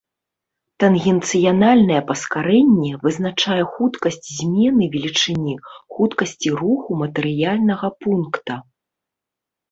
Тангенцыяльнае паскарэнне вызначае хуткасць змены велічыні хуткасці руху матэрыяльнага пункта.